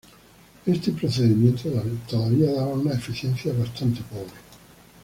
Este procedimiento todavía daba una eficiencia bastante pobre.